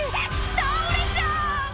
倒れちゃう！